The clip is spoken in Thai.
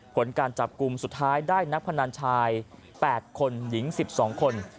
ผลการจับกลุ่มสุดท้ายได้นักพนันชาย๘คนหญิง๑๒คน